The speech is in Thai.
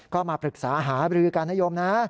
ก็มาปรึกษาหาบริการนโยม